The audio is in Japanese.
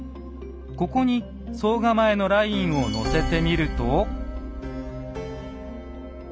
ここに総構のラインをのせてみると。